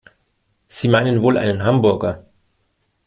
Sie meinen wohl einen Hamburger?